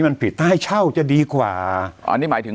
มันิเซกว่าอันนี้หมายถึง